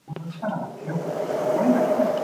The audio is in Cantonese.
長洲大魚蛋